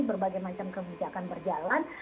berbagai macam kebijakan berjalan